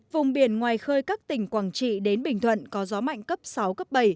vùng biển ngoài khơi các tỉnh quảng trị đến bình thuận có gió mạnh cấp sáu cấp bảy